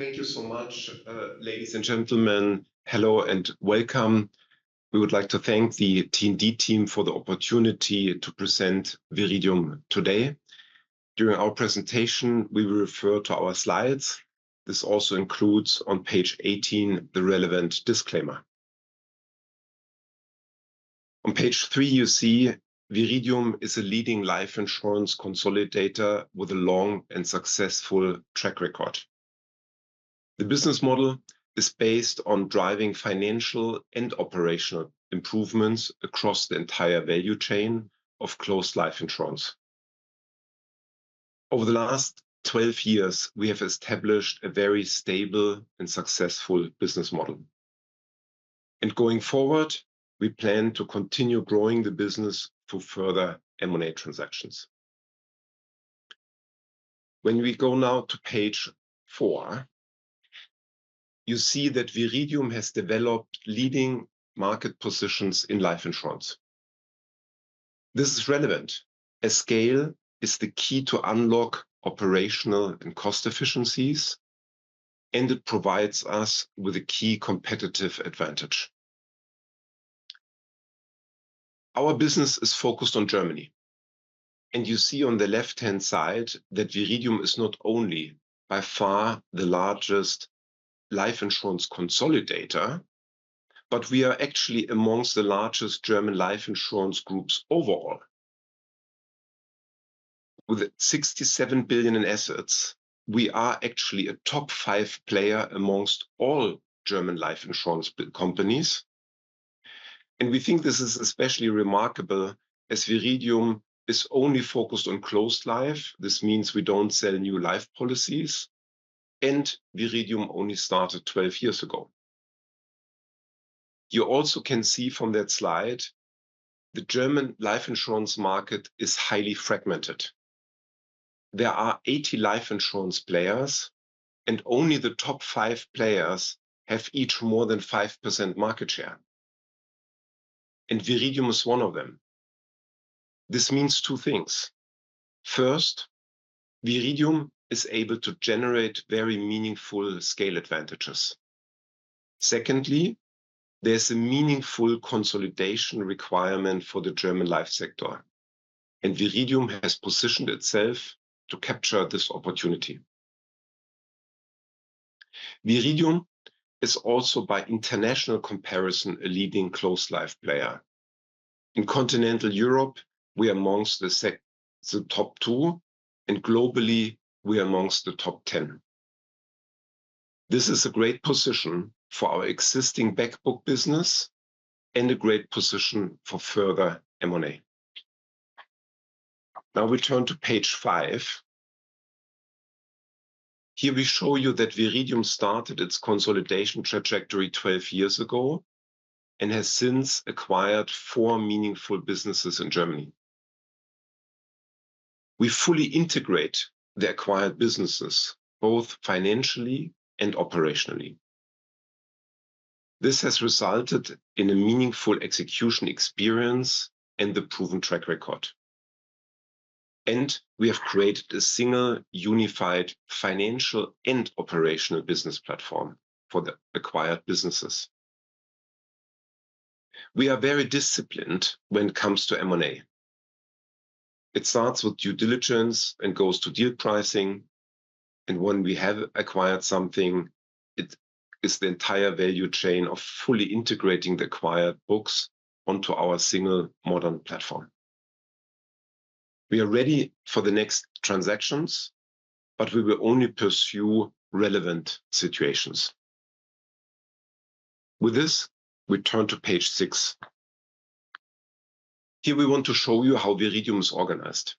Thank you so much, ladies and gentlemen. Hello and welcome. We would like to thank the T&D team for the opportunity to present Viridium today. During our presentation, we will refer to our slides. This also includes, on page 18, the relevant disclaimer. On page three, you see Viridium is a leading life insurance consolidator with a long and successful track record. The business model is based on driving financial and operational improvements across the entire value chain of closed life insurance. Over the last 12 years, we have established a very stable and successful business model. Going forward, we plan to continue growing the business through further M&A transactions. When we go now to page four, you see that Viridium has developed leading market positions in life insurance. This is relevant, as scale is the key to unlock operational and cost efficiencies, and it provides us with a key competitive advantage. Our business is focused on Germany. You see on the left-hand side that Viridium is not only by far the largest life insurance consolidator, but we are actually amongst the largest German life insurance groups overall. With 67 billion in assets, we are actually a top five player amongst all German life insurance companies. We think this is especially remarkable as Viridium is only focused on closed life. This means we don't sell new life policies, and Viridium only started 12 years ago. You also can see from that slide, the German life insurance market is highly fragmented. There are 80 life insurance players, and only the top five players have each more than 5% market share, and Viridium is one of them. This means two things. First, Viridium is able to generate very meaningful scale advantages. Secondly, there's a meaningful consolidation requirement for the German life sector, and Viridium has positioned itself to capture this opportunity. Viridium is also, by international comparison, a leading closed life player. In continental Europe, we are amongst the top two, and globally, we are amongst the top 10. This is a great position for our existing back book business and a great position for further M&A. We turn to page five. Here we show you that Viridium started its consolidation trajectory 12 years ago and has since acquired four meaningful businesses in Germany. We fully integrate the acquired businesses, both financially and operationally. This has resulted in a meaningful execution experience and a proven track record. We have created a single unified financial and operational business platform for the acquired businesses. We are very disciplined when it comes to M&A. It starts with due diligence and goes to deal pricing, and when we have acquired something, it is the entire value chain of fully integrating the acquired books onto our single modern platform. We are ready for the next transactions, but we will only pursue relevant situations. With this, we turn to page six. Here we want to show you how Viridium is organized.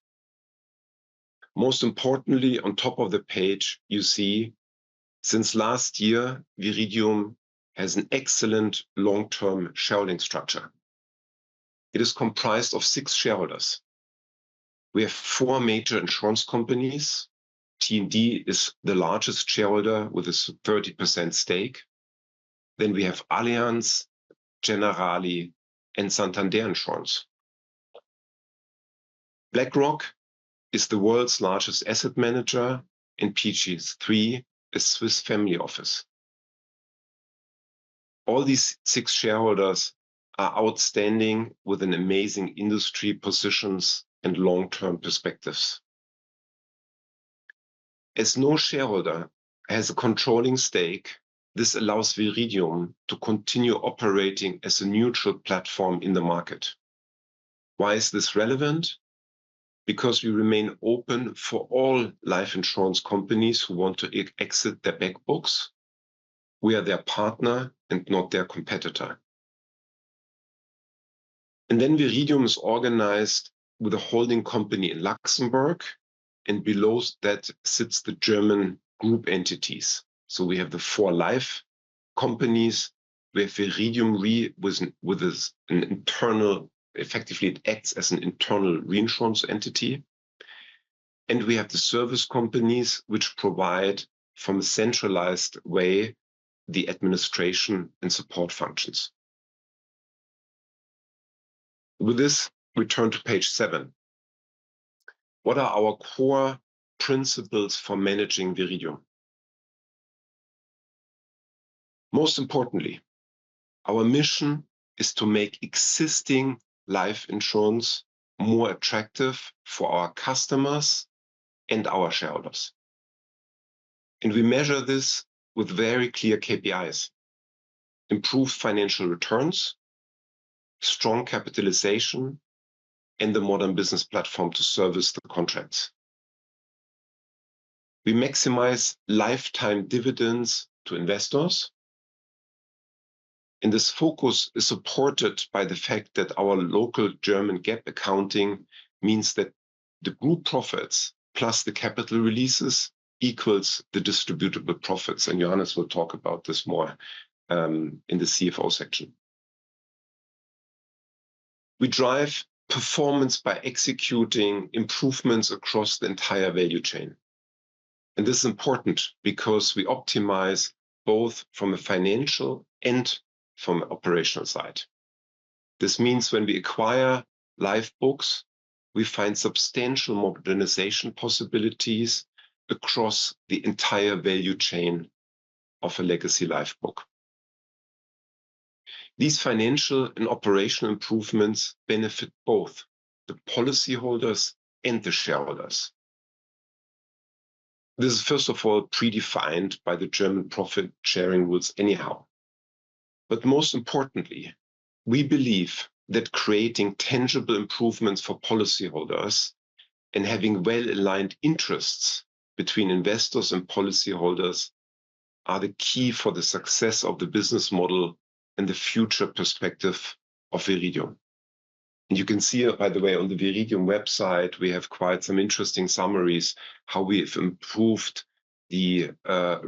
Most importantly, on top of the page, you see since last year, Viridium has an excellent long-term shareholding structure. It is comprised of six shareholders. We have four major insurance companies. T&D is the largest shareholder with a 30% stake. We have Allianz, Generali, and Santander Insurance. BlackRock is the world's largest asset manager, and PG3, a Swiss family office. All these six shareholders are outstanding with amazing industry positions and long-term perspectives. As no shareholder has a controlling stake, this allows Viridium to continue operating as a neutral platform in the market. Why is this relevant? We remain open for all life insurance companies who want to exit their back books. We are their partner and not their competitor. Viridium is organized with a holding company in Luxembourg, and below that sits the German group entities. We have the four life companies with Viridium Re, which effectively it acts as an internal reinsurance entity. We have the service companies which provide, from a centralized way, the administration and support functions. With this, we turn to page seven. What are our core principles for managing Viridium? Most importantly, our mission is to make existing life insurance more attractive for our customers and our shareholders. We measure this with very clear KPIs, improved financial returns, strong capitalization, and the modern business platform to service the contracts. We maximize lifetime dividends to investors, and this focus is supported by the fact that our local German GAAP accounting means that the group profits plus the capital releases equals the distributable profits, and Johannes will talk about this more in the CFO section. We drive performance by executing improvements across the entire value chain. This is important because we optimize both from a financial and from the operational side. This means when we acquire life books, we find substantial modernization possibilities across the entire value chain of a legacy life book. These financial and operational improvements benefit both the policyholders and the shareholders. This is first of all predefined by the German profit-sharing rules anyhow. Most importantly, we believe that creating tangible improvements for policyholders and having well-aligned interests between investors and policyholders are the key for the success of the business model and the future perspective of Viridium. You can see it, by the way, on the Viridium website, we have quite some interesting summaries, how we have improved the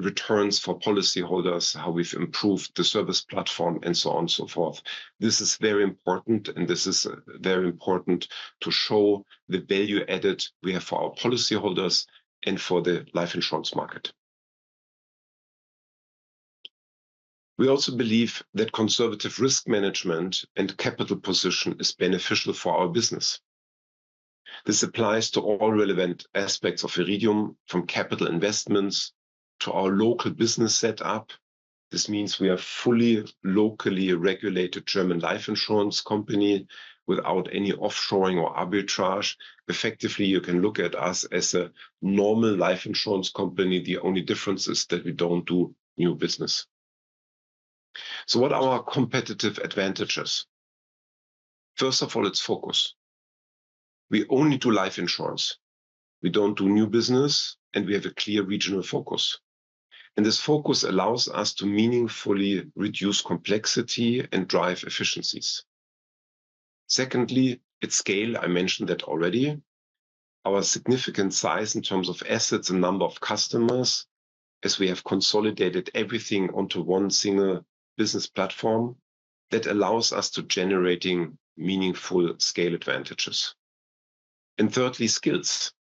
returns for policyholders, how we've improved the service platform and so on and so forth. This is very important, and this is very important to show the value added we have for our policyholders and for the life insurance market. We also believe that conservative risk management and capital position is beneficial for our business. This applies to all relevant aspects of Viridium, from capital investments to our local business setup. This means we are a fully locally regulated German life insurance company without any offshoring or arbitrage. Effectively, you can look at us as a normal life insurance company. The only difference is that we don't do new business. What are our competitive advantages? First of all, it's focus. We only do life insurance. We don't do new business, and we have a clear regional focus. This focus allows us to meaningfully reduce complexity and drive efficiencies. Secondly, it's scale. I mentioned that already. Our significant size in terms of assets and number of customers, as we have consolidated everything onto one single business platform, that allows us to generating meaningful scale advantages. Thirdly, skills.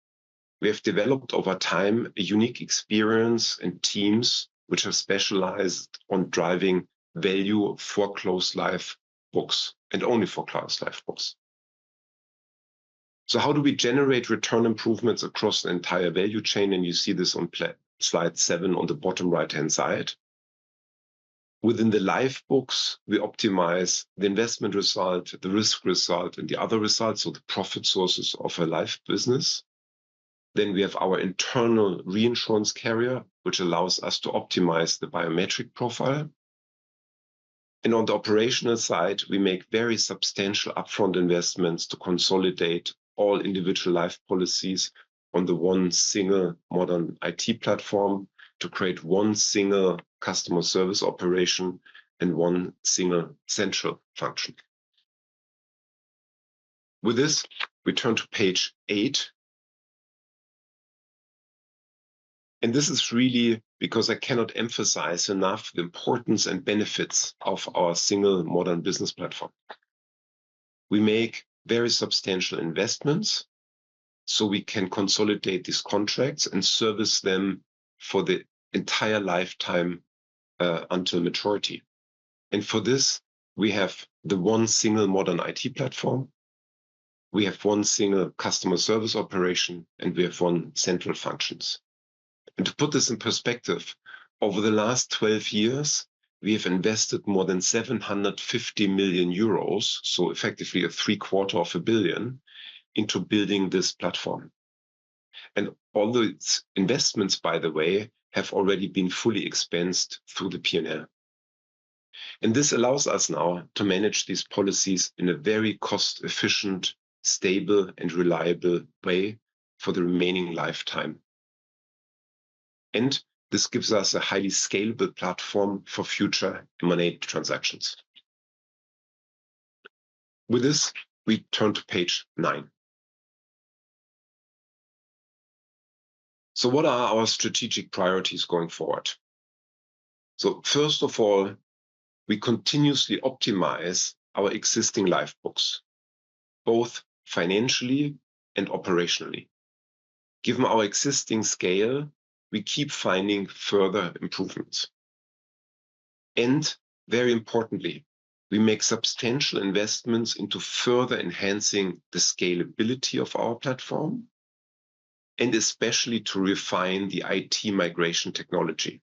We have developed over time a unique experience and teams which have specialized on driving value for closed life books and only for closed life books. How do we generate return improvements across the entire value chain? You see this on slide seven on the bottom right-hand side. Within the life books, we optimize the investment result, the risk result, and the other results, so the profit sources of a life business. We have our internal reinsurance carrier, which allows us to optimize the biometric profile. On the operational side, we make very substantial upfront investments to consolidate all individual life policies on the one single modern IT platform to create one single customer service operation and one single central function. We turn to page eight. This is really because I cannot emphasize enough the importance and benefits of our single modern business platform. We make very substantial investments, so we can consolidate these contracts and service them for the entire lifetime until maturity. For this, we have the one single modern IT platform. We have one single customer service operation, and we have one central functions. To put this in perspective, over the last 12 years, we have invested more than 750 million euros, so effectively three-quarter of a billion, into building this platform. All its investments, by the way, have already been fully expensed through the P&L. This allows us now to manage these policies in a very cost-efficient, stable, and reliable way for the remaining lifetime. This gives us a highly scalable platform for future M&A transactions. We turn to page nine. What are our strategic priorities going forward? First of all, we continuously optimize our existing life books, both financially and operationally. Given our existing scale, we keep finding further improvements. Very importantly, we make substantial investments into further enhancing the scalability of our platform, and especially to refine the IT migration technology.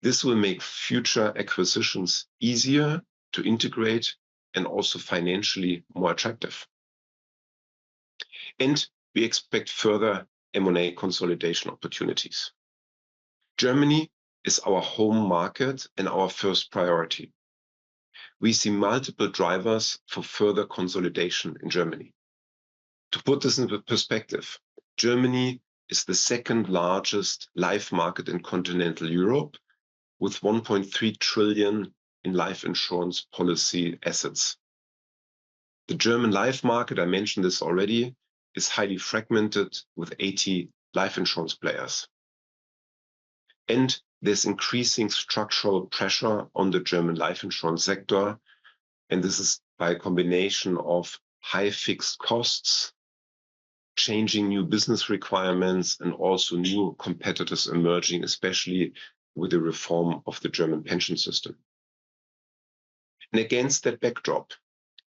This will make future acquisitions easier to integrate and also financially more attractive. We expect further M&A consolidation opportunities. Germany is our home market and our first priority. We see multiple drivers for further consolidation in Germany. To put this into perspective, Germany is the second largest life market in continental Europe, with 1.3 trillion in life insurance policy assets. The German life market, I mentioned this already, is highly fragmented with 80 life insurance players. There's increasing structural pressure on the German life insurance sector, and this is by a combination of high fixed costs, changing new business requirements, and also new competitors emerging, especially with the reform of the German pension system. Against that backdrop,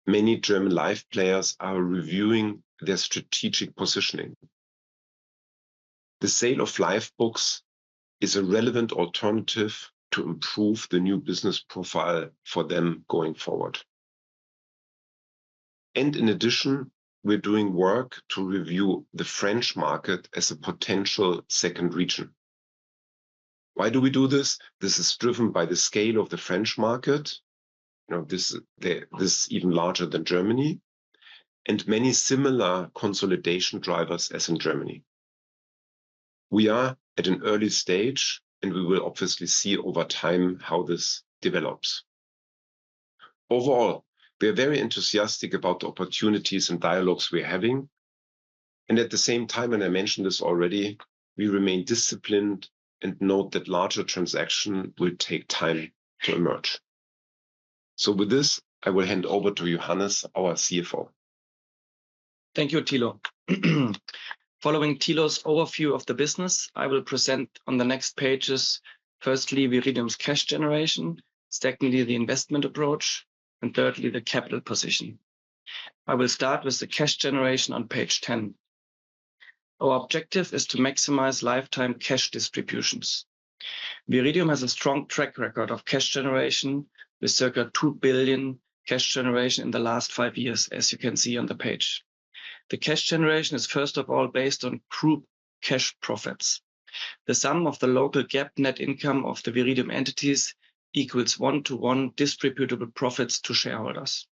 many German life players are reviewing their strategic positioning. The sale of life books is a relevant alternative to improve the new business profile for them going forward. In addition, we're doing work to review the French market as a potential second region. Why do we do this? This is driven by the scale of the French market. This is even larger than Germany, many similar consolidation drivers as in Germany. We are at an early stage, we will obviously see over time how this develops. Overall, we are very enthusiastic about the opportunities and dialogues we're having. At the same time, I mentioned this already, we remain disciplined and note that larger transaction will take time to emerge. With this, I will hand over to Johannes, our CFO. Thank you, Tilo. Following Tilo's overview of the business, I will present on the next pages, firstly, Viridium's cash generation, secondly, the investment approach, and thirdly, the capital position. I will start with the cash generation on page 10. Our objective is to maximize lifetime cash distributions. Viridium has a strong track record of cash generation with circa 2 billion cash generation in the last five years, as you can see on the page. The cash generation is first of all, based on group cash profits. The sum of the local GAAP net income of the Viridium entities equals one-to-one distributable profits to shareholders.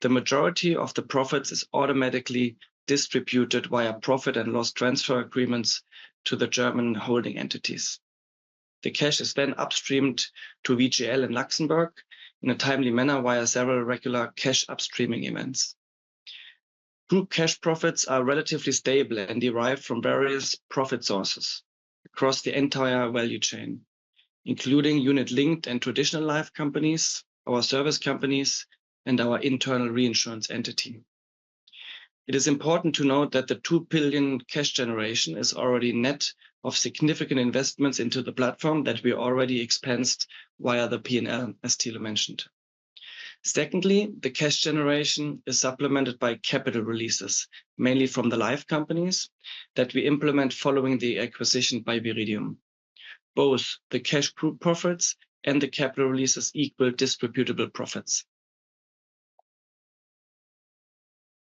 The majority of the profits is automatically distributed via profit and loss transfer agreements to the German holding entities. The cash is then upstreamed to VGL in Luxembourg in a timely manner via several regular cash upstreaming events. Group cash profits are relatively stable and derived from various profit sources across the entire value chain, including unit-linked and traditional life companies, our service companies, and our internal reinsurance entity. It is important to note that the 2 billion cash generation is already net of significant investments into the platform that we already expensed via the P&L, as Tilo mentioned. Secondly, the cash generation is supplemented by capital releases, mainly from the life companies that we implement following the acquisition by Viridium. Both the cash group profits and the capital releases equal distributable profits.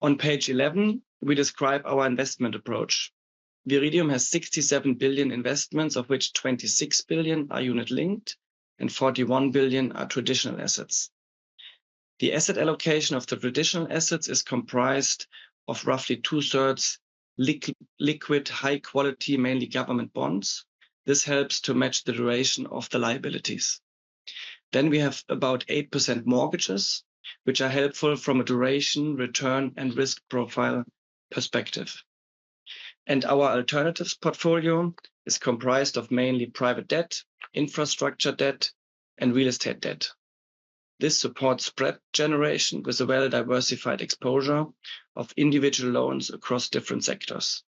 On page 11, we describe our investment approach. Viridium has 67 billion investments, of which 26 billion are unit-linked and 41 billion are traditional assets. The asset allocation of the traditional assets is comprised of roughly two-thirds liquid, high quality, mainly government bonds. This helps to match the duration of the liabilities. We have about 8% mortgages, which are helpful from a duration, return, and risk profile perspective. Our alternatives portfolio is comprised of mainly private debt, infrastructure debt, and real estate debt. This supports spread generation with a well-diversified exposure of individual loans across different sectors.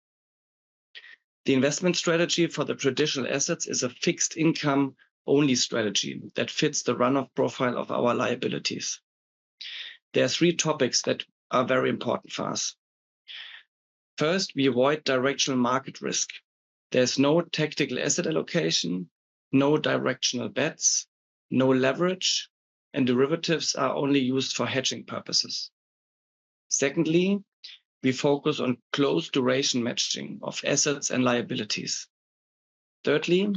The investment strategy for the traditional assets is a fixed income-only strategy that fits the run-off profile of our liabilities. There are three topics that are very important for us. First, we avoid directional market risk. There is no tactical asset allocation, no directional bets, no leverage, and derivatives are only used for hedging purposes. Secondly, we focus on close duration matching of assets and liabilities. Thirdly,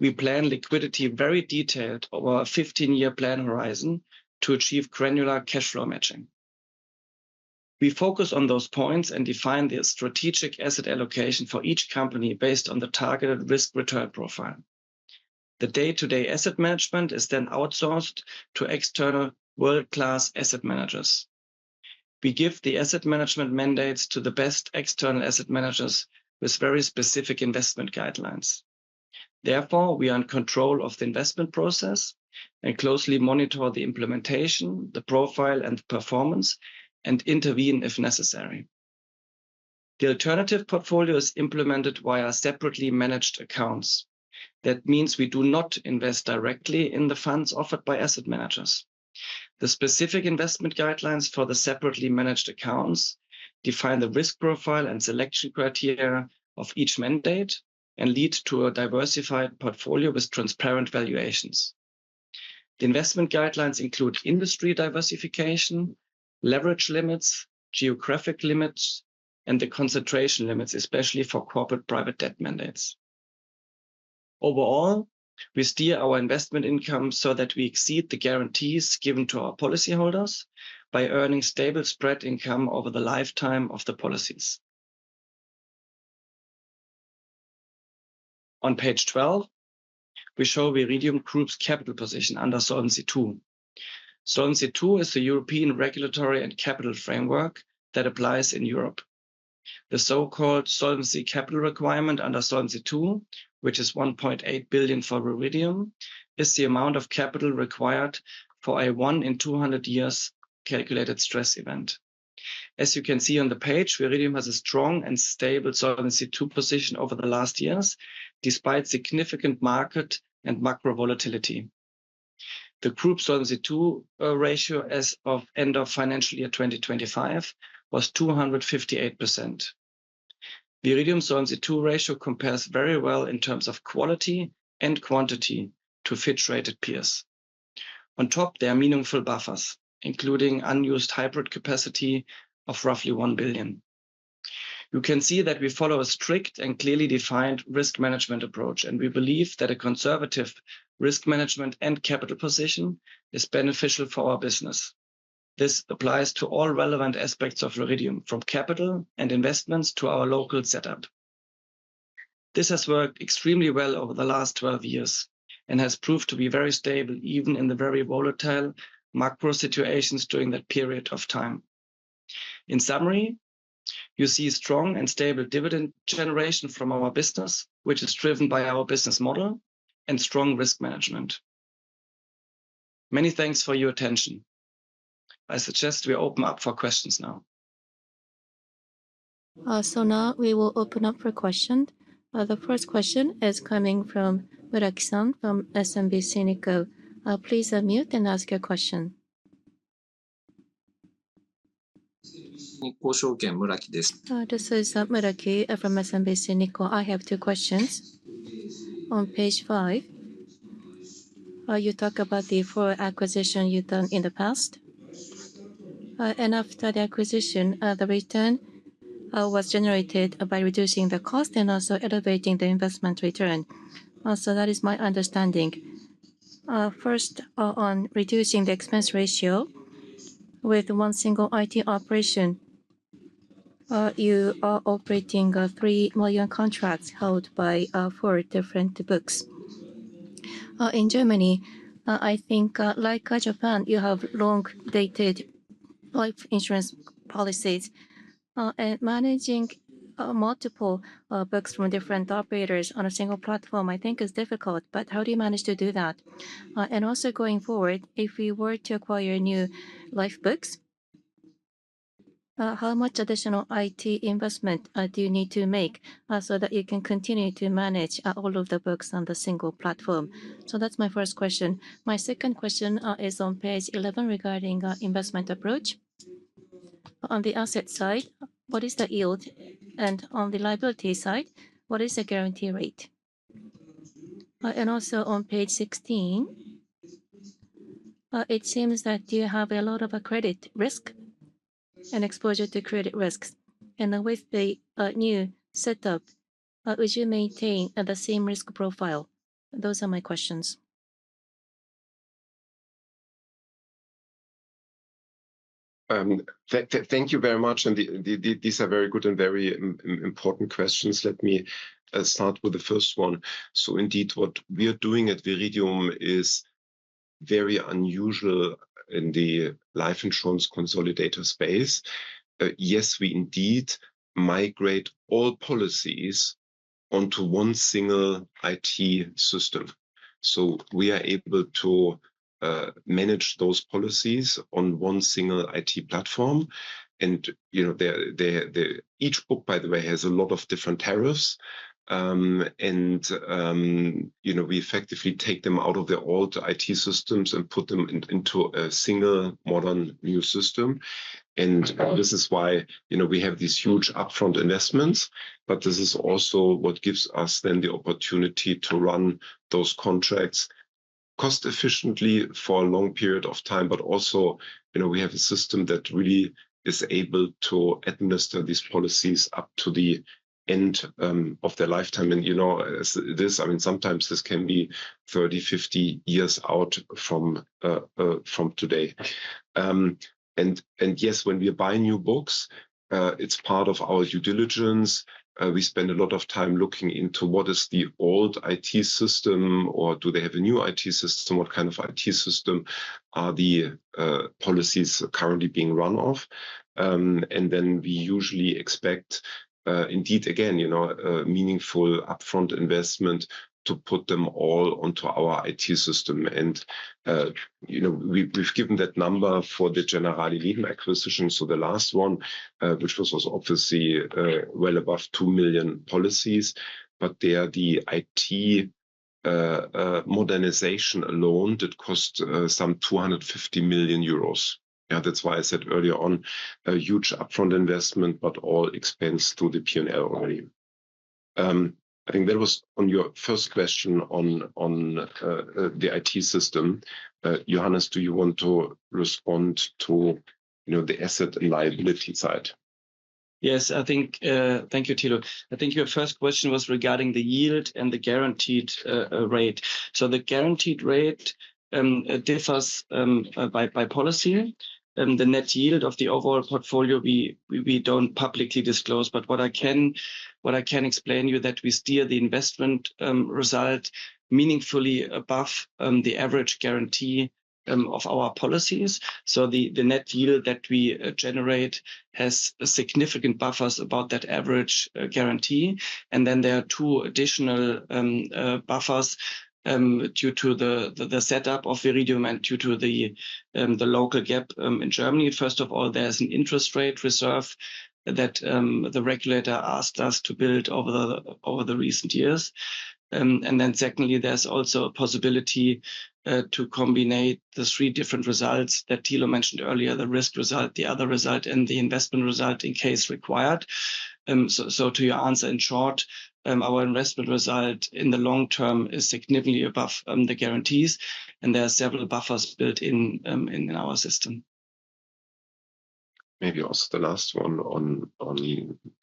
we plan liquidity very detailed over a 15-year plan horizon to achieve granular cash flow matching. We focus on those points and define the strategic asset allocation for each company based on the targeted risk-return profile. The day-to-day asset management is then outsourced to external world-class asset managers. We give the asset management mandates to the best external asset managers with very specific investment guidelines. Therefore, we are in control of the investment process and closely monitor the implementation, the profile, and the performance, and intervene if necessary. The alternative portfolio is implemented via separately managed accounts. That means we do not invest directly in the funds offered by asset managers. The specific investment guidelines for the separately managed accounts define the risk profile and selection criteria of each mandate and lead to a diversified portfolio with transparent valuations. The investment guidelines include industry diversification, leverage limits, geographic limits, and the concentration limits, especially for corporate private debt mandates. Overall, we steer our investment income so that we exceed the guarantees given to our policyholders by earning stable spread income over the lifetime of the policies. On page 12, we show Viridium Group's capital position under Solvency II. Solvency II is the European regulatory and capital framework that applies in Europe. The so-called Solvency Capital Requirement under Solvency II, which is 1.8 billion for Viridium, is the amount of capital required for a one in 200 years calculated stress event. As you can see on the page, Viridium has a strong and stable Solvency II position over the last years, despite significant market and macro volatility. The group Solvency II ratio as of end of financial year 2025 was 258%. Viridium Solvency II ratio compares very well in terms of quality and quantity to Fitch-rated peers. On top, there are meaningful buffers, including unused hybrid capacity of roughly 1 billion. You can see that we follow a strict and clearly defined risk management approach. We believe that a conservative risk management and capital position is beneficial for our business. This applies to all relevant aspects of Viridium, from capital and investments to our local setup. This has worked extremely well over the last 12 years and has proved to be very stable, even in the very volatile macro situations during that period of time. In summary, you see strong and stable dividend generation from our business, which is driven by our business model and strong risk management. Many thanks for your attention. I suggest we open up for questions now. Now we will open up for questions. The first question is coming from Muraki-san from SMBC Nikko. Please unmute and ask your question. This is Muraki from SMBC Nikko. I have two questions. On page five, you talk about the four acquisitions you've done in the past. After the acquisition, the return was generated by reducing the cost and also elevating the investment return. That is my understanding. First, on reducing the expense ratio with one single IT operation, you are operating three million contracts held by four different books. In Germany, I think like Japan, you have long-dated life insurance policies. Managing multiple books from different operators on a single platform, I think is difficult, but how do you manage to do that? Also going forward, if we were to acquire new life books, how much additional IT investment do you need to make so that you can continue to manage all of the books on the single platform? That's my first question. My second question is on page 11 regarding investment approach. On the asset side, what is the yield? On the liability side, what is the guarantee rate? Also on page 16, it seems that you have a lot of credit risk and exposure to credit risks. With the new setup, would you maintain the same risk profile? Those are my questions. Thank you very much. These are very good and very important questions. Let me start with the first one. Indeed, what we are doing at Viridium is very unusual in the life insurance consolidator space. Yes, we indeed migrate all policies onto one single IT system. We are able to manage those policies on one single IT platform. Each book, by the way, has a lot of different tariffs. We effectively take them out of their old IT systems and put them into a single modern new system. This is why we have these huge upfront investments. This is also what gives us then the opportunity to run those contracts cost efficiently for a long period of time. Also, we have a system that really is able to administer these policies up to the end of their lifetime. Sometimes this can be 30, 50 years out from today. Yes, when we buy new books, it's part of our due diligence. We spend a lot of time looking into what is the old IT system, or do they have a new IT system? What kind of IT system are the policies currently being run off? Then we usually expect indeed, again, meaningful upfront investment to put them all onto our IT system. We've given that number for the Generali Leben acquisition. The last one, which was obviously well above 2 million policies. There the IT modernization loan that cost some 250 million euros. That's why I said earlier on, a huge upfront investment, but all expense through the P&L already. I think that was on your first question on the IT system. Johannes, do you want to respond to the asset and liability side? Yes. Thank you, Tilo. I think your first question was regarding the yield and the guaranteed rate. The guaranteed rate differs by policy. The net yield of the overall portfolio, we don't publicly disclose. What I can explain you, that we steer the investment result meaningfully above the average guarantee of our policies. The net yield that we generate has significant buffers above that average guarantee. Then there are 2 additional buffers due to the setup of Viridium and due to the local GAAP in Germany. First of all, there's an interest rate reserve that the regulator asked us to build over the recent years. Then secondly, there's also a possibility to combine the 3 different results that Tilo mentioned earlier, the risk result, the other result, and the investment result, in case required. To your answer, in short, our investment result in the long term is significantly above the guarantees, and there are several buffers built in our system. Maybe also the last one on,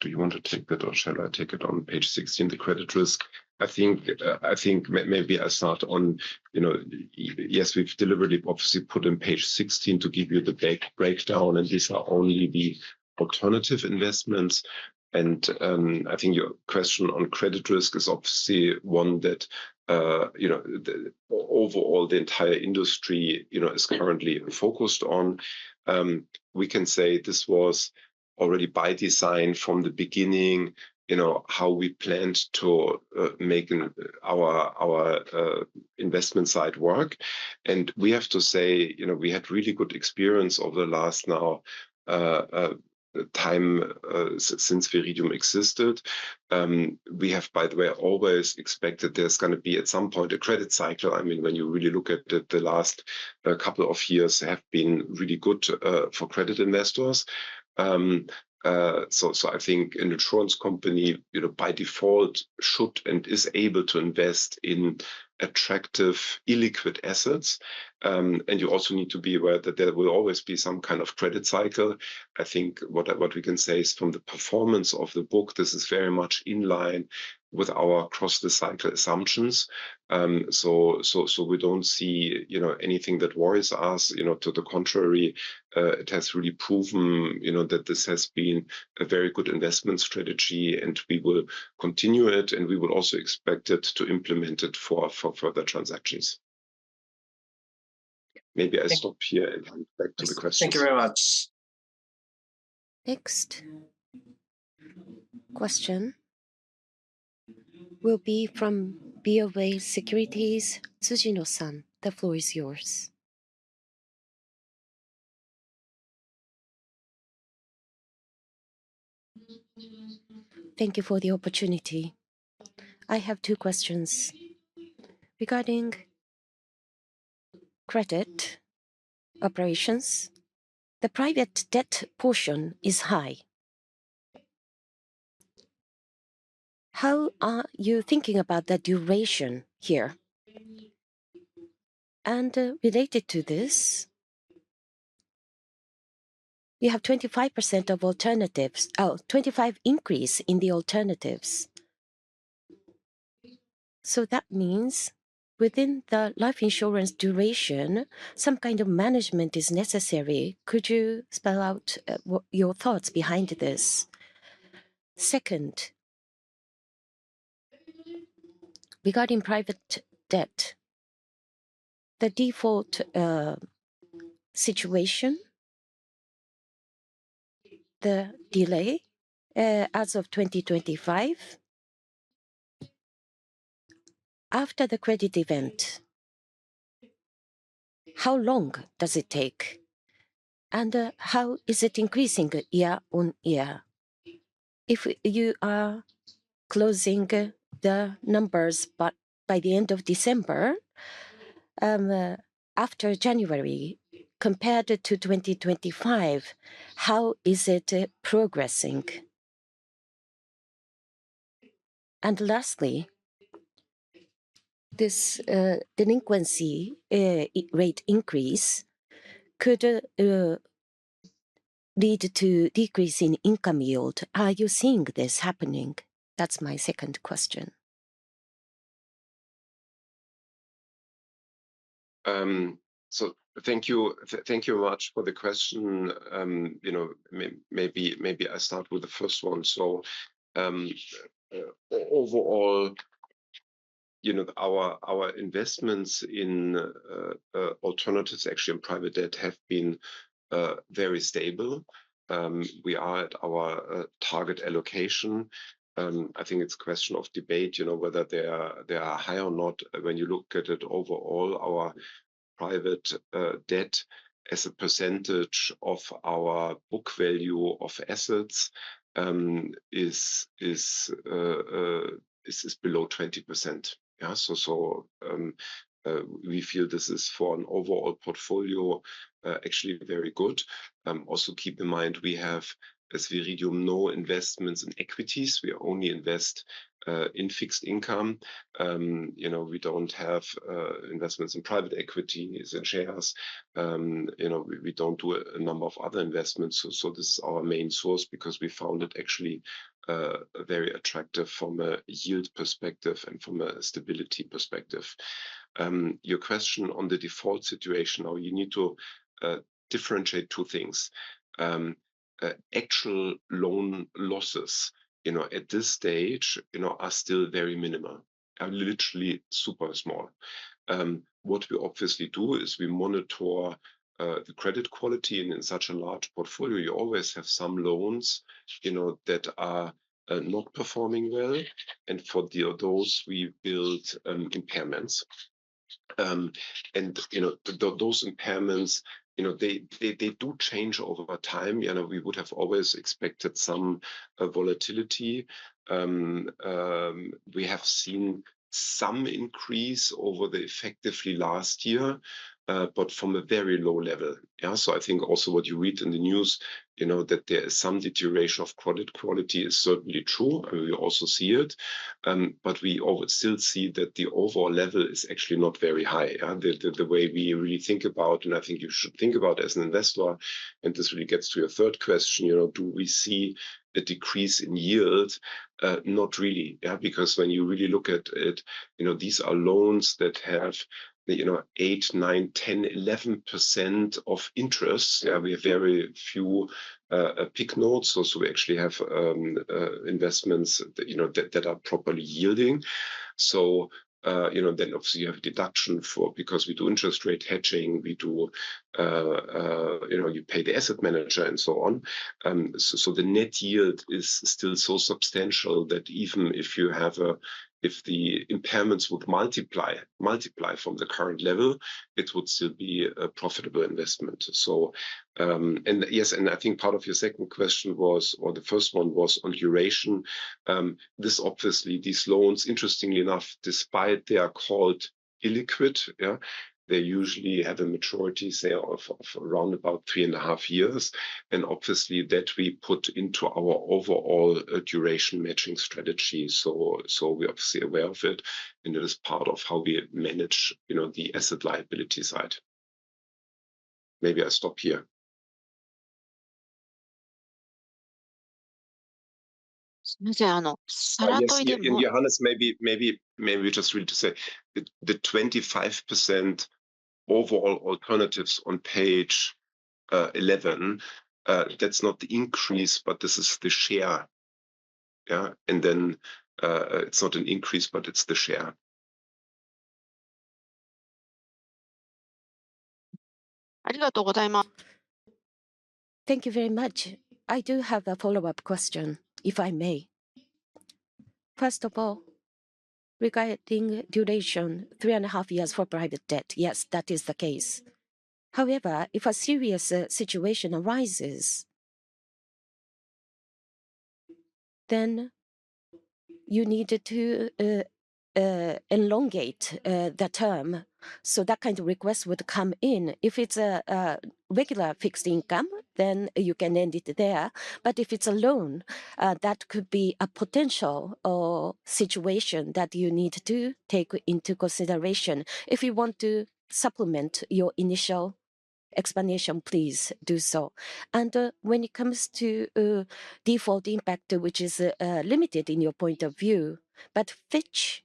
do you want to take that or shall I take it, on page 16, the credit risk. I think maybe I start on, yes, we've deliberately, obviously, put in page 16 to give you the breakdown, and these are only the alternative investments. I think your question on credit risk is obviously one that overall, the entire industry is currently focused on. We can say this was already by design from the beginning, how we planned to make our investment side work. We have to say, we had really good experience over the last, now, time since Viridium existed. We have, by the way, always expected there's going to be, at some point, a credit cycle. When you really look at it, the last couple of years have been really good for credit investors. I think an insurance company, by default, should and is able to invest in attractive illiquid assets. You also need to be aware that there will always be some kind of credit cycle. I think what we can say is from the performance of the book, this is very much in line with our across the cycle assumptions. We don't see anything that worries us. To the contrary, it has really proven that this has been a very good investment strategy, and we will continue it, and we will also expect it to implement it for further transactions. Maybe I stop here and hand back to the questions. Thank you very much. Next question will be from BofA Securities, Tsujino-san. The floor is yours. Thank you for the opportunity. I have two questions. Regarding credit operations, the private debt portion is high. How are you thinking about the duration here? Related to this, you have 25% of alternatives. Oh, 25% increase in the alternatives. That means within the life insurance duration, some kind of management is necessary. Could you spell out your thoughts behind this? Second, regarding private debt, the default situation, the delay, as of 2025, after the credit event, how long does it take? How is it increasing year-on-year? If you are closing the numbers by the end of December, after January, compared to 2025, how is it progressing? Lastly, this delinquency rate increase could lead to decrease in income yield. Are you seeing this happening? That's my second question. Thank you. Thank you much for the question. Maybe I start with the first one. Overall, our investments in alternatives, actually, in private debt, have been very stable. We are at our target allocation. I think it's a question of debate, whether they are high or not. When you look at it overall, our private debt as a percentage of our book value of assets is below 20%. Yeah. We feel this is, for an overall portfolio, actually very good. Also keep in mind, we have, as Viridium, no investments in equities. We only invest in fixed income. We don't have investments in private equities and shares. We don't do a number of other investments. This is our main source because we found it actually very attractive from a yield perspective and from a stability perspective. Your question on the default situation, you need to differentiate two things. Actual loan losses at this stage are still very minimal, are literally super small. What we obviously do is we monitor the credit quality, and in such a large portfolio, you always have some loans that are not performing well. For those, we build impairments. Those impairments, they do change over time. We would have always expected some volatility. We have seen some increase over the effectively last year, but from a very low level. Yeah. I think also what you read in the news, that there is some deterioration of credit quality is certainly true, and we also see it. We still see that the overall level is actually not very high. The way we really think about, I think you should think about as an investor, this really gets to your third question, do we see a decrease in yield? Not really. Yeah. When you really look at it, these are loans that have eight, nine, 10, 11% of interest. Yeah, we have very few PIK notes. We actually have investments that are properly yielding. Obviously you have a deduction for, because we do interest rate hedging, you pay the asset manager and so on. The net yield is still so substantial that even if the impairments would multiply from the current level, it would still be a profitable investment. Yes, I think part of your second question was, or the first one was on duration. This obviously, these loans, interestingly enough, despite they are called illiquid, yeah, they usually have a maturity, say, of around about three and a half years. Obviously that we put into our overall duration matching strategy. We're obviously aware of it, and it is part of how we manage the asset liability side. Maybe I'll stop here. Johannes, maybe just really to say, the 25% overall alternatives on page 11, that's not the increase, but this is the share. Yeah. Then it's not an increase, but it's the share. Thank you very much. I do have a follow-up question, if I may. First of all, regarding duration, three and a half years for private debt. Yes, that is the case. However, if a serious situation arises, then you need to elongate the term. That kind of request would come in. If it's a regular fixed income, then you can end it there. If it's a loan, that could be a potential situation that you need to take into consideration. If you want to supplement your initial explanation, please do so. When it comes to default impact, which is limited in your point of view, but Fitch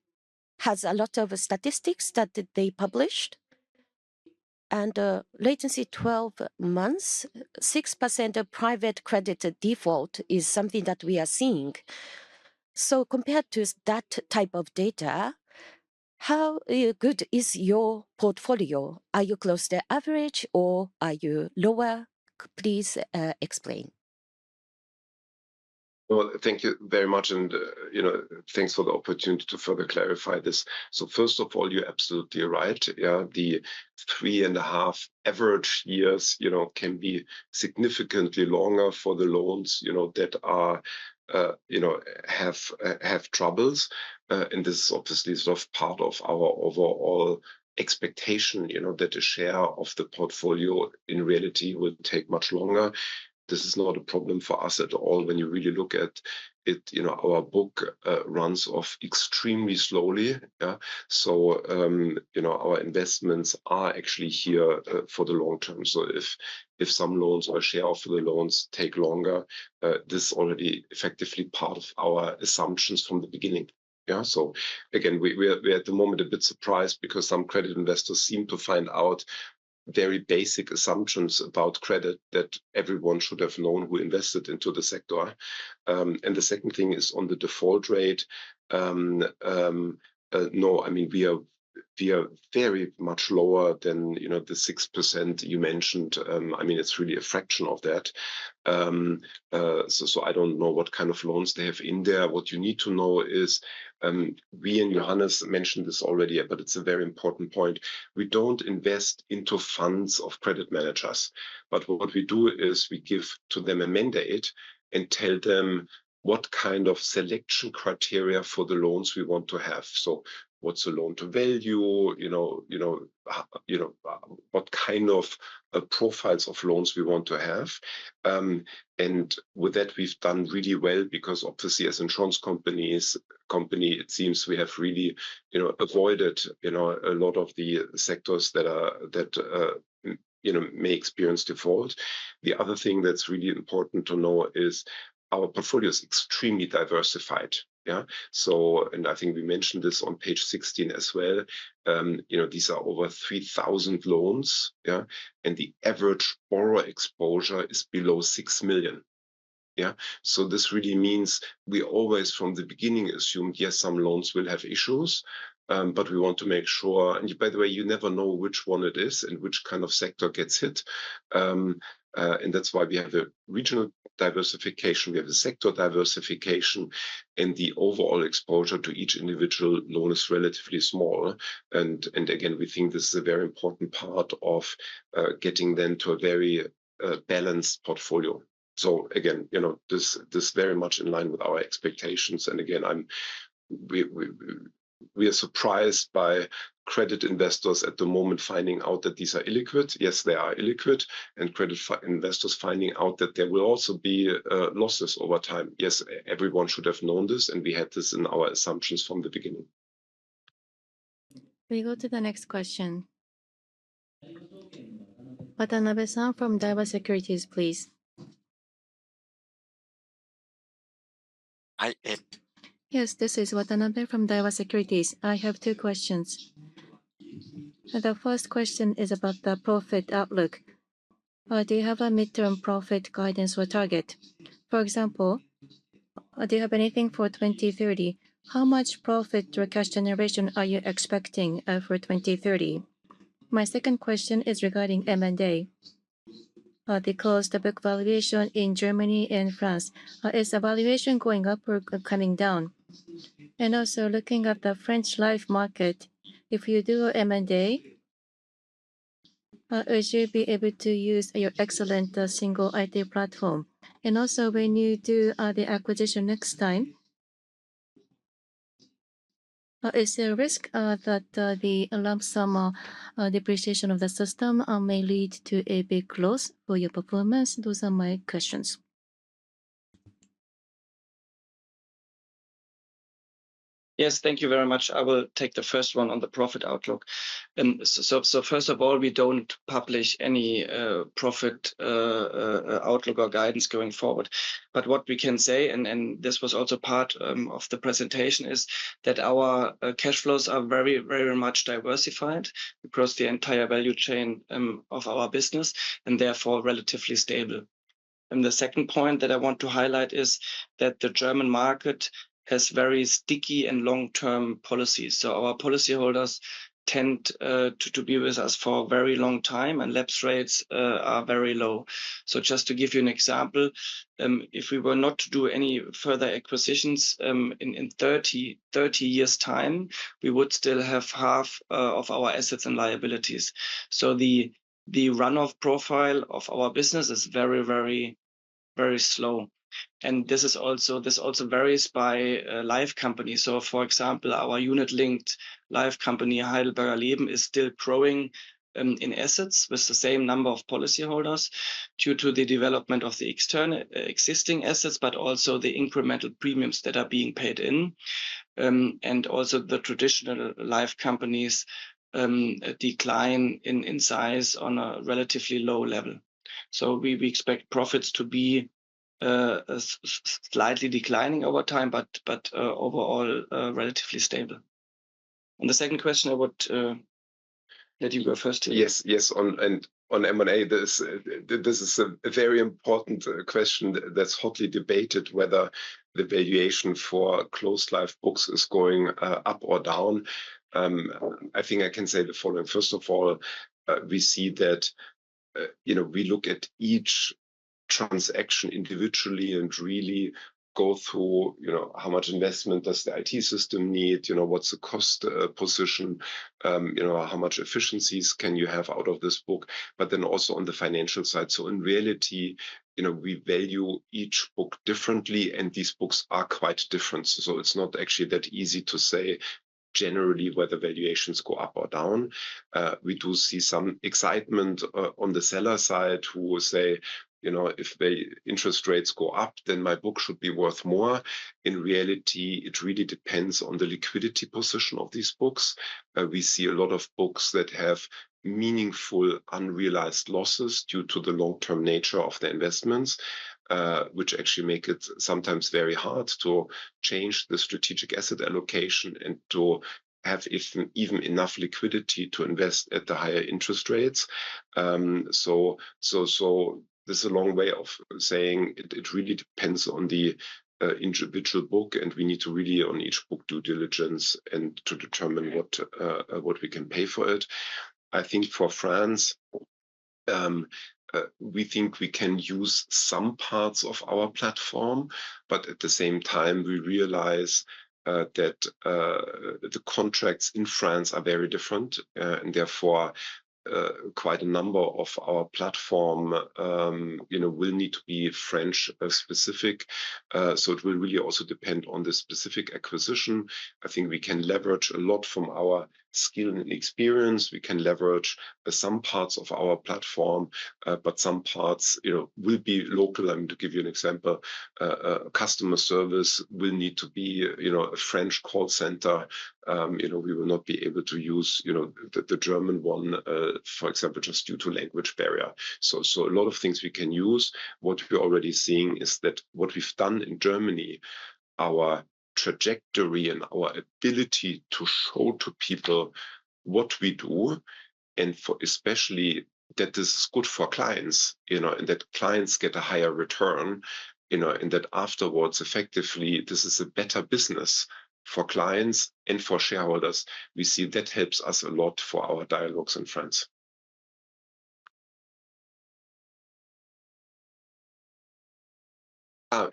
has a lot of statistics that they published, and latency 12 months, 6% of private credit default is something that we are seeing. Compared to that type of data, how good is your portfolio? Are you close to average or are you lower? Please explain. Well, thank you very much and thanks for the opportunity to further clarify this. First of all, you're absolutely right. The three and a half average years can be significantly longer for the loans that have troubles. This obviously is part of our overall expectation, that a share of the portfolio in reality will take much longer. This is not a problem for us at all when you really look at it. Our book runs off extremely slowly. Yeah. Our investments are actually here for the long term. If some loans or share of the loans take longer, this is already effectively part of our assumptions from the beginning. Yeah. Again, we are at the moment a bit surprised because some credit investors seem to find out very basic assumptions about credit that everyone should have known who invested into the sector. The second thing is on the default rate. We are very much lower than the 6% you mentioned. It's really a fraction of that. I don't know what kind of loans they have in there. What you need to know is, we, and Johannes mentioned this already, it's a very important point, we don't invest into funds of credit managers. What we do is we give to them a mandate and tell them what kind of selection criteria for the loans we want to have. What's the loan-to-value? What kind of profiles of loans we want to have? With that, we've done really well because obviously as insurance company, it seems we have really avoided a lot of the sectors that may experience default. The other thing that's really important to know is our portfolio is extremely diversified. I think we mentioned this on page 16 as well. These are over 3,000 loans. The average borrower exposure is below 6 million. This really means we always from the beginning assume, yes, some loans will have issues, but we want to make sure. By the way, you never know which one it is and which kind of sector gets hit. That's why we have a regional diversification, we have a sector diversification, and the overall exposure to each individual loan is relatively small. Again, we think this is a very important part of getting then to a very balanced portfolio. Again, this very much in line with our expectations. Again, we are surprised by credit investors at the moment finding out that these are illiquid. Yes, they are illiquid. Credit investors finding out that there will also be losses over time. Yes, everyone should have known this, and we had this in our assumptions from the beginning. We go to the next question. Watanabe-san from Daiwa Securities, please. Hi. Yes, this is Watanabe from Daiwa Securities. I have two questions. The first question is about the profit outlook. Do you have a midterm profit guidance or target? For example, do you have anything for 2030? How much profit or cash generation are you expecting for 2030? My second question is regarding M&A. The book valuation in Germany and France, is the valuation going up or coming down? Looking at the French Life market, if you do M&A, will you be able to use your excellent single IT platform? When you do the acquisition next time, is there a risk that the lump sum depreciation of the system may lead to a big loss for your performance? Those are my questions. Yes. Thank you very much. I will take the first one on the profit outlook. First of all, we don't publish any profit outlook or guidance going forward. What we can say, and this was also part of the presentation, is that our cash flows are very, very much diversified across the entire value chain of our business and therefore relatively stable. The second point that I want to highlight is that the German market has very sticky and long-term policies. Our policy holders tend to be with us for a very long time, and lapse rates are very low. Just to give you an example, if we were not to do any further acquisitions, in 30 years' time, we would still have half of our assets and liabilities. The runoff profile of our business is very slow. This also varies by Life company. For example, our unit-linked Life company, Heidelberger Leben, is still growing in assets with the same number of policy holders due to the development of the existing assets, but also the incremental premiums that are being paid in. The traditional Life companies decline in size on a relatively low level. We expect profits to be slightly declining over time, but overall, relatively stable. The second question, I would let you go first. Yes. On M&A, this is a very important question that's hotly debated, whether the valuation for closed Life books is going up or down. I think I can say the following. First of all, we see that we look at each transaction individually and really go through how much investment does the IT system need? What's the cost position? How much efficiencies can you have out of this book? Also on the financial side. In reality, we value each book differently, and these books are quite different. It's not actually that easy to say generally whether valuations go up or down. We do see some excitement on the seller side who will say, "If the interest rates go up, then my book should be worth more." In reality, it really depends on the liquidity position of these books. We see a lot of books that have meaningful unrealized losses due to the long-term nature of the investments, which actually make it sometimes very hard to change the strategic asset allocation and to have even enough liquidity to invest at the higher interest rates. This is a long way of saying it really depends on the individual book, and we need to really on each book due diligence and to determine what we can pay for it. For France, we think we can use some parts of our platform, but at the same time, we realize that the contracts in France are very different, and therefore, quite a number of our platform will need to be French specific. It will really also depend on the specific acquisition. We can leverage a lot from our skill and experience. We can leverage some parts of our platform, but some parts will be local. To give you an example, customer service will need to be a French call center. We will not be able to use the German one, for example, just due to language barrier. A lot of things we can use. What we're already seeing is that what we've done in Germany, our trajectory and our ability to show to people what we do, and especially that this is good for clients, and that clients get a higher return, and that afterwards, effectively, this is a better business for clients and for shareholders. We see that helps us a lot for our dialogues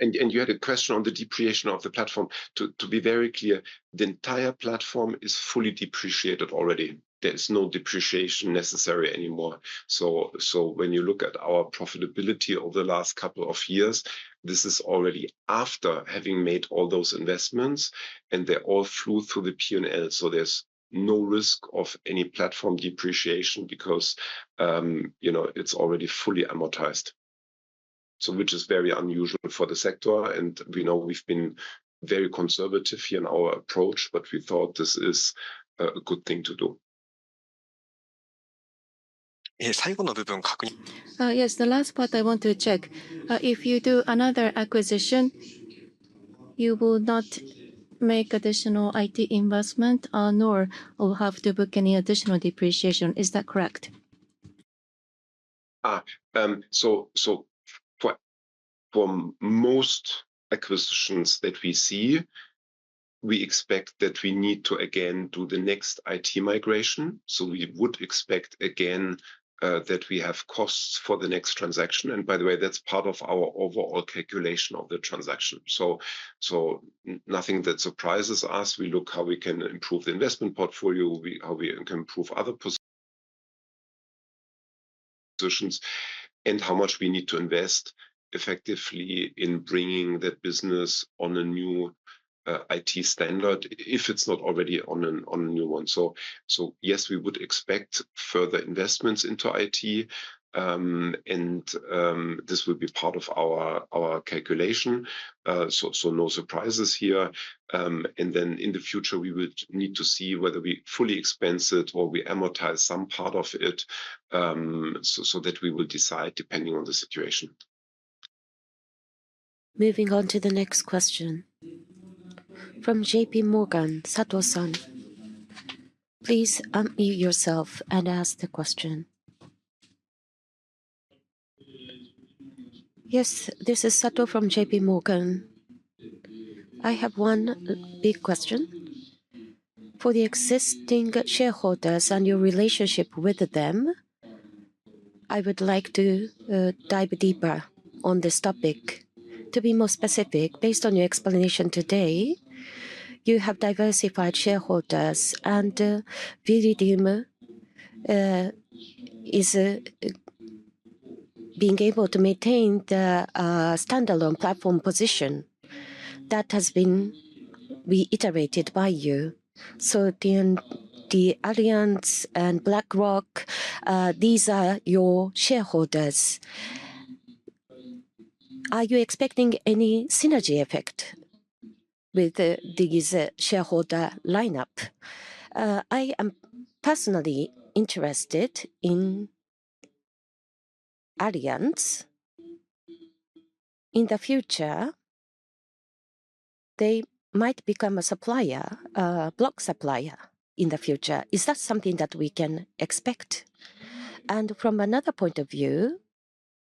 in France. You had a question on the depreciation of the platform. To be very clear, the entire platform is fully depreciated already. There is no depreciation necessary anymore. When you look at our profitability over the last couple of years, this is already after having made all those investments, and they all flew through the P&L, so there's no risk of any platform depreciation because it's already fully amortized, which is very unusual for the sector, and we know we've been very conservative here in our approach, but we thought this is a good thing to do. Yes, the last part I want to check. If you do another acquisition, you will not make additional IT investment nor will have to book any additional depreciation. Is that correct? For most acquisitions that we see, we expect that we need to again do the next IT migration. We would expect again that we have costs for the next transaction, and by the way, that's part of our overall calculation of the transaction. Nothing that surprises us. We look how we can improve the investment portfolio, how we can improve other positions, and how much we need to invest effectively in bringing that business on a new IT standard if it's not already on a new one. Yes, we would expect further investments into IT, and this will be part of our calculation. No surprises here. In the future, we would need to see whether we fully expense it or we amortize some part of it, so that we will decide depending on the situation. Moving on to the next question. From JPMorgan, Sato-san. Please unmute yourself and ask the question. Yes, this is Sato from JPMorgan. I have one big question. For the existing shareholders and your relationship with them, I would like to dive deeper on this topic. To be more specific, based on your explanation today, you have diversified shareholders, and Viridium is being able to maintain the standalone platform position that has been reiterated by you. The Allianz and BlackRock, these are your shareholders. Are you expecting any synergy effect with this shareholder lineup? I am personally interested in Allianz. In the future, they might become a block supplier in the future. Is that something that we can expect? From another point of view,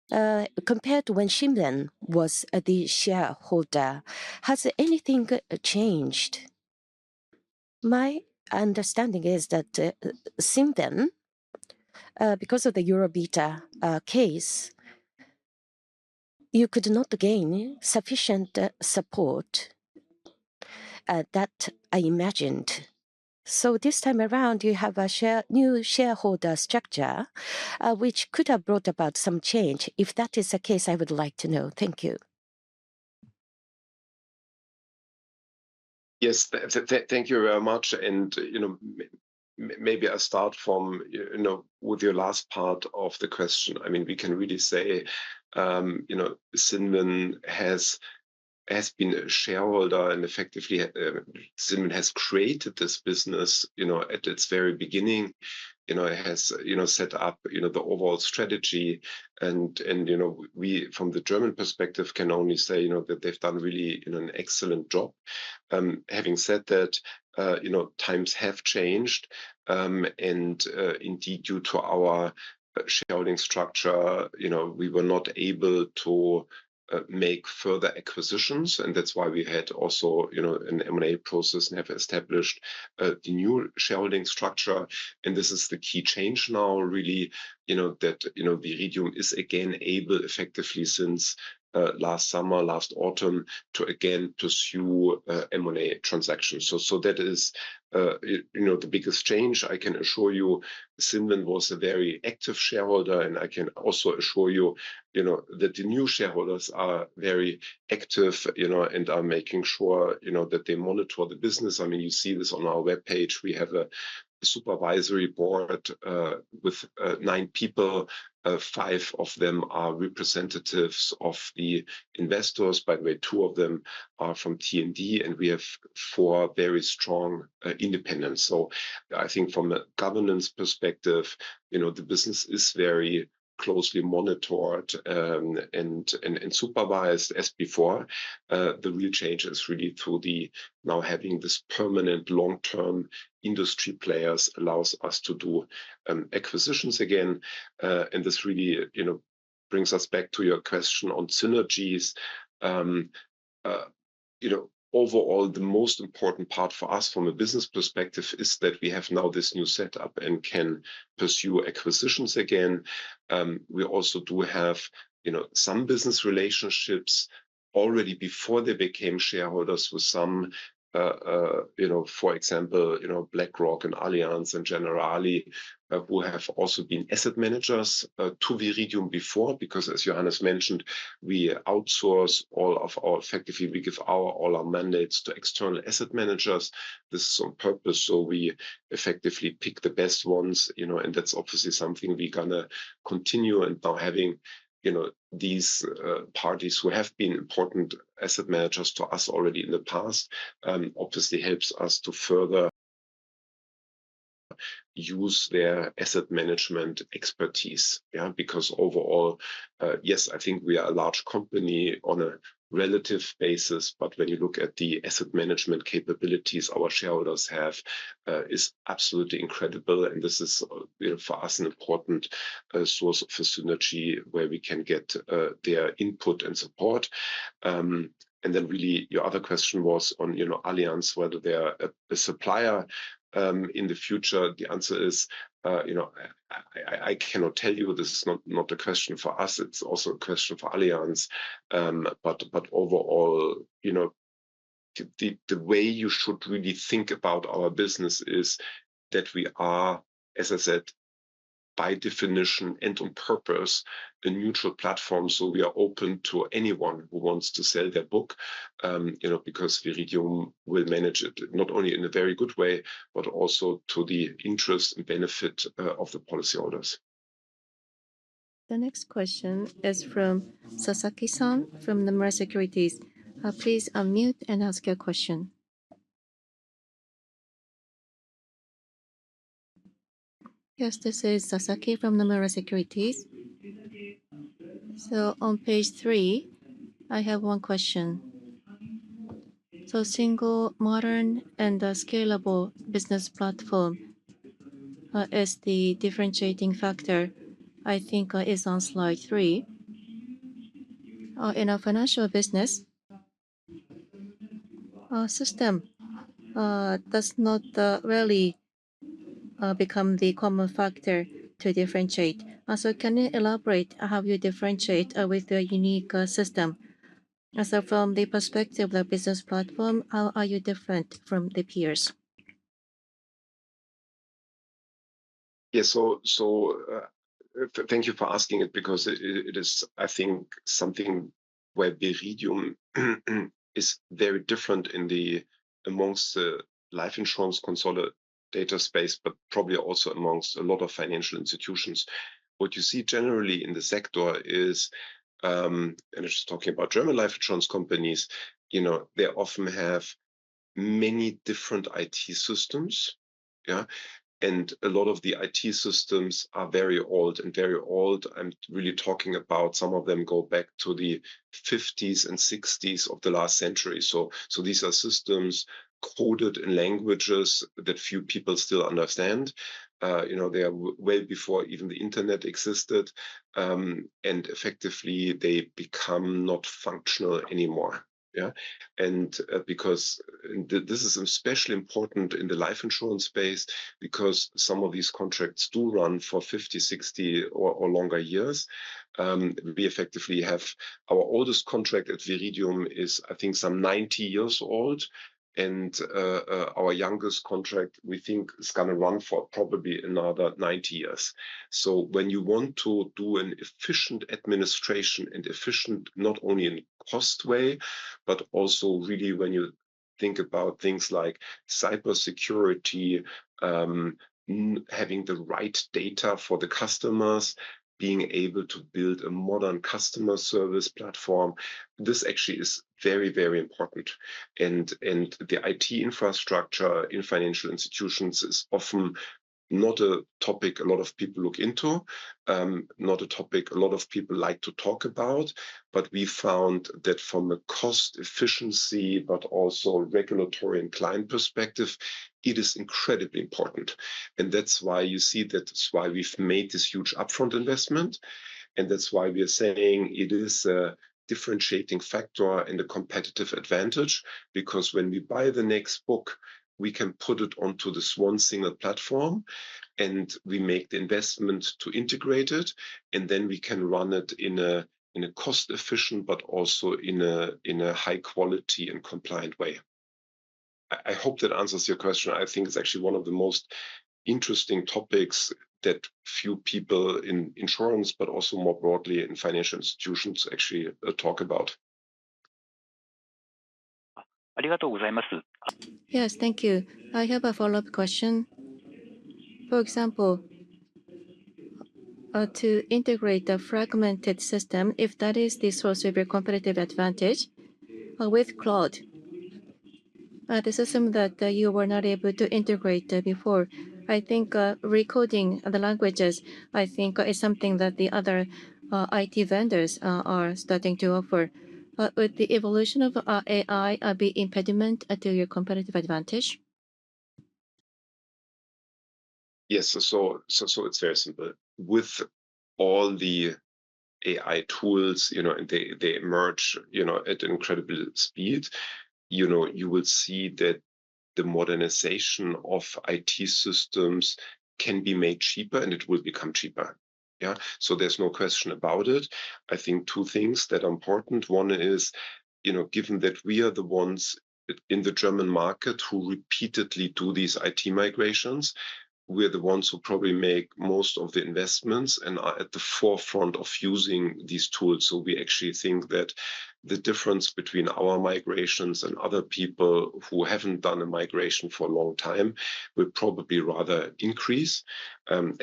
compared to when Cinven was the shareholder, has anything changed? My understanding is that Cinven, because of the Eurovita case, you could not gain sufficient support that I imagined. This time around, you have a new shareholder structure, which could have brought about some change. If that is the case, I would like to know. Thank you. Yes. Thank you very much. Maybe I start with your last part of the question. We can really say Cinven has been a shareholder and effectively, Cinven has created this business at its very beginning. It has set up the overall strategy and we, from the German perspective, can only say that they've done really an excellent job. Having said that, times have changed. Indeed, due to our shareholding structure, we were not able to make further acquisitions, and that's why we had also an M&A process and have established the new shareholding structure. This is the key change now, really, that Viridium is again able, effectively since last summer, last autumn, to again pursue M&A transactions. That is the biggest change. I can assure you, Cinven was a very active shareholder, I can also assure you that the new shareholders are very active and are making sure that they monitor the business. You see this on our webpage. We have a supervisory board with nine people. Five of them are representatives of the investors. By the way, two of them are from T&D, and we have four very strong independents. I think from a governance perspective, the business is very closely monitored and supervised as before. The real change is really through the now having this permanent long-term industry players allows us to do acquisitions again. This really brings us back to your question on synergies. Overall, the most important part for us from a business perspective is that we have now this new setup and can pursue acquisitions again. We also do have some business relationships already before they became shareholders with some, for example, BlackRock and Allianz and Generali, who have also been asset managers to Viridium before, because as Johannes mentioned, we outsource effectively, we give all our mandates to external asset managers. This is on purpose, so we effectively pick the best ones. That's obviously something we're going to continue. Now having these parties who have been important asset managers to us already in the past, obviously helps us to further use their asset management expertise. Yeah. Overall, yes, I think we are a large company on a relative basis, but when you look at the asset management capabilities our shareholders have, is absolutely incredible, and this is for us, an important source for synergy where we can get their input and support. Really, your other question was on Allianz, whether they are a supplier in the future. The answer is, I cannot tell you. This is not a question for us. It's also a question for Allianz. Overall, the way you should really think about our business is that we are, as I said, by definition and on purpose, a neutral platform. We are open to anyone who wants to sell their book, because Viridium will manage it not only in a very good way, but also to the interest and benefit of the policyholders. The next question is from Sasaki-san from Nomura Securities. Please unmute and ask your question. Yes, this is Sasaki from Nomura Securities. On page three, I have one question. Single, modern, and a scalable business platform, as the differentiating factor, I think is on slide three. In a financial business, system does not really become the common factor to differentiate. Can you elaborate how you differentiate with your unique system? From the perspective of the business platform, how are you different from the peers? Yes. Thank you for asking it because it is, I think, something where Viridium Group is very different amongst the life insurance consolidated space, but probably also amongst a lot of financial institutions. What you see generally in the sector is, and just talking about German life insurance companies, they often have many different IT systems. A lot of the IT systems are very old. Very old, I'm really talking about some of them go back to the '50s and '60s of the last century. These are systems coded in languages that few people still understand. They are well before even the internet existed. Effectively, they become not functional anymore. Because this is especially important in the life insurance space, because some of these contracts do run for 50, 60, or longer years. We effectively have our oldest contract at Viridium Group is, I think, some 90 years old, and our youngest contract, we think, is going to run for probably another 90 years. When you want to do an efficient administration and efficient, not only in cost way, but also really Think about things like cybersecurity, having the right data for the customers, being able to build a modern customer service platform. This actually is very, very important. The IT infrastructure in financial institutions is often not a topic a lot of people look into, not a topic a lot of people like to talk about. We found that from a cost efficiency, but also regulatory and client perspective, it is incredibly important. That's why you see that's why we've made this huge upfront investment, and that's why we are saying it is a differentiating factor and a competitive advantage. When we buy the next book, we can put it onto this one single platform, we make the investment to integrate it, then we can run it in a cost-efficient but also in a high-quality and compliant way. I hope that answers your question. I think it's actually one of the most interesting topics that few people in insurance, but also more broadly in financial institutions, actually talk about. Yes. Thank you. I have a follow-up question. For example, to integrate a fragmented system, if that is the source of your competitive advantage with cloud, the system that you were not able to integrate before. Recoding the languages, I think is something that the other IT vendors are starting to offer. Would the evolution of AI be impediment to your competitive advantage? Yes. It's very simple. With all the AI tools, they emerge at an incredible speed. You will see that the modernization of IT systems can be made cheaper, and it will become cheaper. There's no question about it. I think two things that are important. One is, given that we are the ones in the German market who repeatedly do these IT migrations, we are the ones who probably make most of the investments and are at the forefront of using these tools. We actually think that the difference between our migrations and other people who haven't done a migration for a long time will probably rather increase.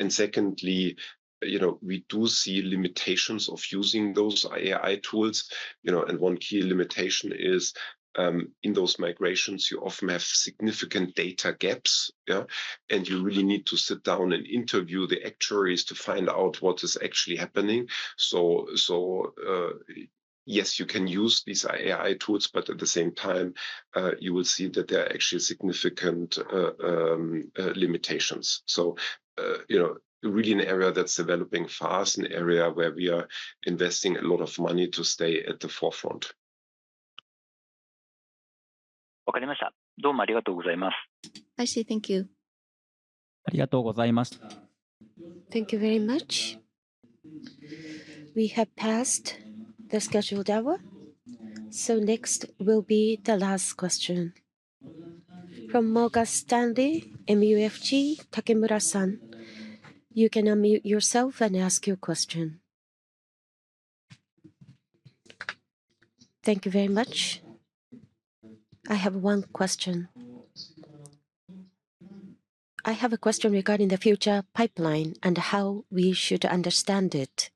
Secondly, we do see limitations of using those AI tools. One key limitation is, in those migrations, you often have significant data gaps. You really need to sit down and interview the actuaries to find out what is actually happening. Yes, you can use these AI tools, but at the same time, you will see that there are actually significant limitations. Really an area that's developing fast, an area where we are investing a lot of money to stay at the forefront. I see. Thank you. Thank you very much. We have passed the scheduled hour. Next will be the last question. From Morgan Stanley MUFG, Takemura San. You can unmute yourself and ask your question. Thank you very much. I have one question. I have a question regarding the future pipeline and how we should understand it.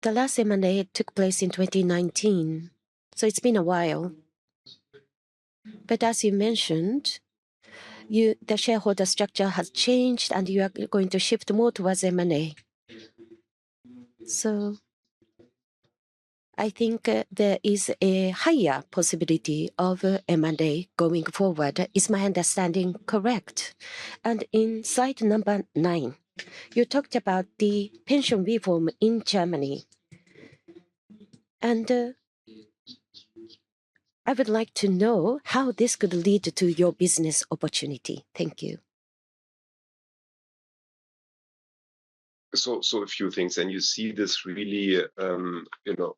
The last M&A took place in 2019. It's been a while. As you mentioned, the shareholder structure has changed, and you are going to shift more towards M&A. I think there is a higher possibility of M&A going forward. Is my understanding correct? In slide number nine, you talked about the German pension reform. I would like to know how this could lead to your business opportunity. Thank you. A few things. You see this really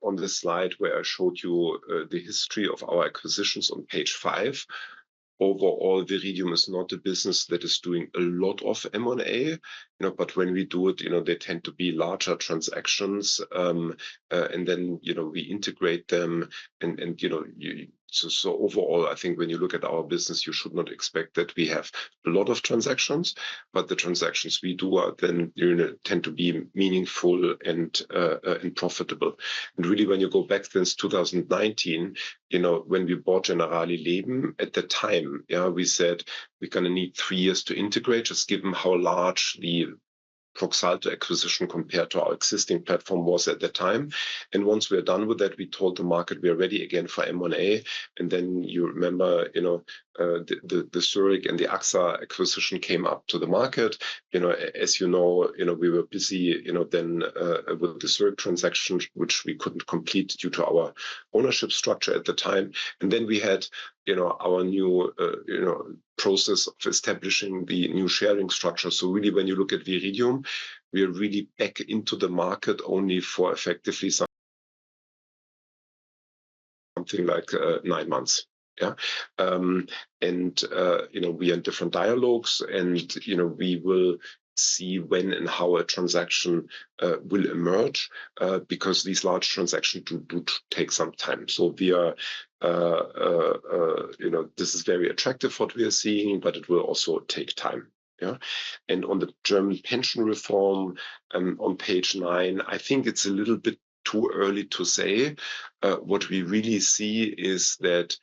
on the slide where I showed you the history of our acquisitions on page five. Overall, Viridium is not a business that is doing a lot of M&A. When we do it, they tend to be larger transactions. Then we integrate them. Overall, I think when you look at our business, you should not expect that we have a lot of transactions, but the transactions we do tend to be meaningful and profitable. Really, when you go back since 2019, when we bought Generali Leben, at the time, we said we're going to need three years to integrate, just given how large the Proxalto acquisition compared to our existing platform was at that time. Once we are done with that, we told the market we are ready again for M&A. You remember, the Zurich and the AXA acquisition came up to the market. You know, we were busy then with the Zurich transaction, which we couldn't complete due to our ownership structure at the time. We had our new process of establishing the new shareholding structure. Really, when you look at Viridium, we are really back into the market only for effectively something like nine months. We are in different dialogues, and we will see when and how a transaction will emerge, because these large transactions do take some time. This is very attractive what we are seeing, but it will also take time. On the German pension reform, on page nine, I think it's a little bit too early to say. What we really see is that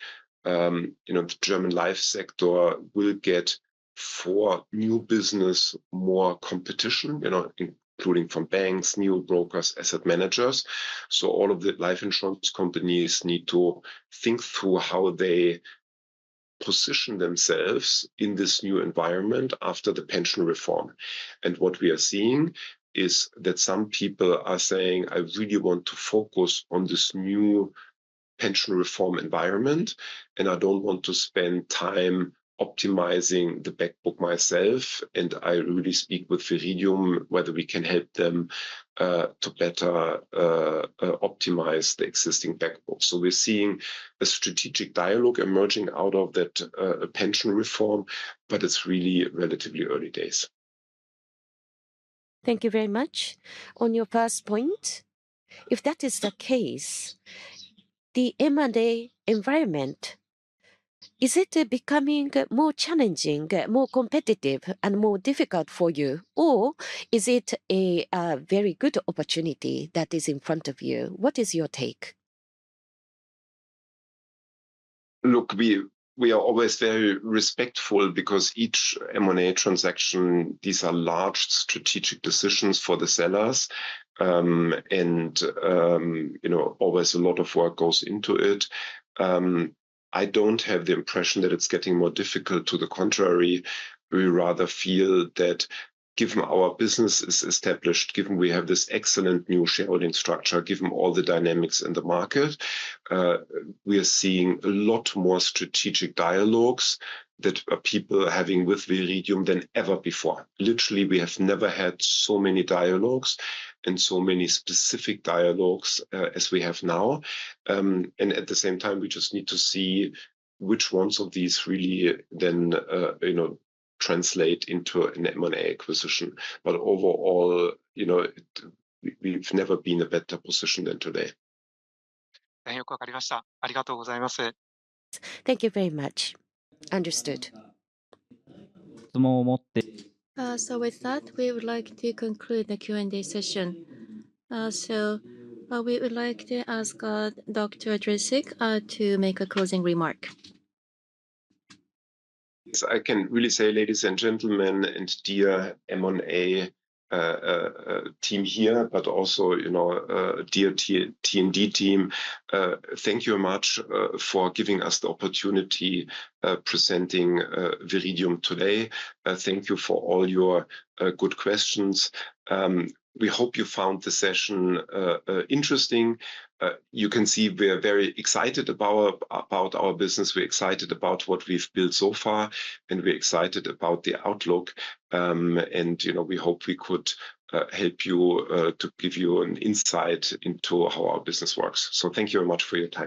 the German life sector will get for new business, more competition, including from banks, new brokers, asset managers. All of the life insurance companies need to think through how they position themselves in this new environment after the pension reform. What we are seeing is that some people are saying, "I really want to focus on this new pension reform environment, and I don't want to spend time optimizing the back book myself." I really speak with Viridium, whether we can help them to better optimize the existing back book. We're seeing a strategic dialogue emerging out of that pension reform, but it's really relatively early days. Thank you very much. On your first point, if that is the case, the M&A environment, is it becoming more challenging, more competitive, and more difficult for you? Or is it a very good opportunity that is in front of you? What is your take? Look, we are always very respectful because each M&A transaction, these are large strategic decisions for the sellers. Always a lot of work goes into it. I don't have the impression that it's getting more difficult. To the contrary, we rather feel that given our business is established, given we have this excellent new shareholding structure, given all the dynamics in the market, we are seeing a lot more strategic dialogues that people are having with Viridium than ever before. Literally, we have never had so many dialogues and so many specific dialogues as we have now. At the same time, we just need to see which ones of these really then translate into an M&A acquisition. Overall, we've never been in a better position than today. Thank you very much. Understood. With that, we would like to conclude the Q&A session. We would like to ask Dr. Dresig to make a closing remark. I can really say, ladies and gentlemen and dear M&A team here, but also dear T&D team, thank you very much for giving us the opportunity presenting Viridium today. Thank you for all your good questions. We hope you found the session interesting. You can see we are very excited about our business, we're excited about what we've built so far, and we're excited about the outlook. We hope we could help you to give you an insight into how our business works. Thank you very much for your time today.